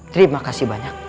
terima kasih banyak